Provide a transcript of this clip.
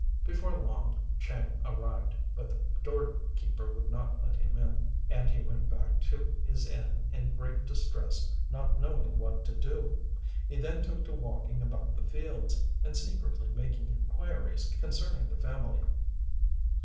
Before long, Chang arrived, but the doorkeeper would not let him in, and he went back to his inn in great distress, not knowing what to do. He then took to walking about the fields, and secretly making inquiries concerning the family.